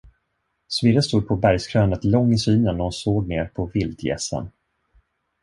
Smirre stod på bergskrönet lång i synen och såg ner på vildgässen.